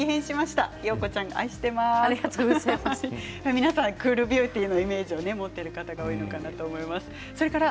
皆さんクールビューティーのイメージを持っていると思いますけれど。